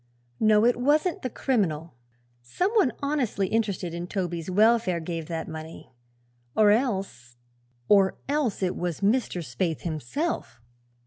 No; it wasn't the criminal. Some one honestly interested in Toby's welfare gave that money, or else or else it was Mr. Spaythe himself!"